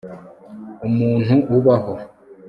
Umuntu ubaho